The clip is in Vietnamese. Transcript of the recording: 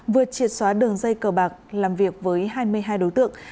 vừa triệt xóa đường dây cờ bạc làm việc với hai mươi hai đối tượng